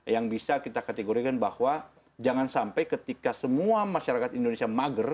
yang bisa kita kategorikan bahwa jangan sampai ketika semua masyarakat indonesia mager